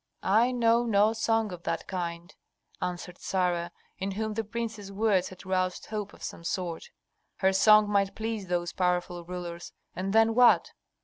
"I know no song of that kind," answered Sarah, in whom the prince's words had roused hope of some sort. Her song might please those powerful rulers, and then what?